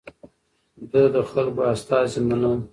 ده د خلکو استازي منل.